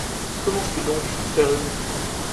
Que manges-tu donc, Père Ubu ?